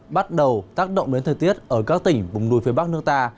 bắt đầu tác động đến thời tiết ở các tỉnh bùng đùi phía bắc nước ta